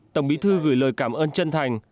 tổng bí thư gửi lời cảm ơn chân thành